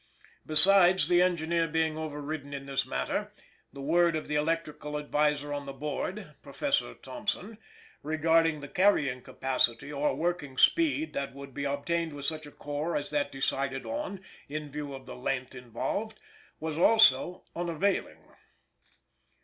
Besides the engineer being overridden in this matter, the word of the electrical adviser on the Board (Professor Thomson) regarding the carrying capacity or working speed that would be obtained with such a core as that decided on in view of the length involved was also unavailing.